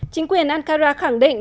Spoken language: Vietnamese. chính quyền ankara khẳng định